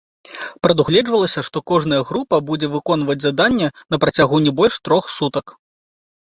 Прадугледжвалася, што кожная група будзе выконваць заданне на працягу не больш трох сутак.